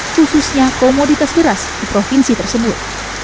khususnya komoditas beras di provinsi tersebut